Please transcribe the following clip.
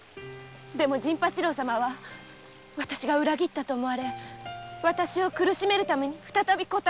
でも陣八郎様は私が裏切ったと思われ私を苦しめるために小太郎を。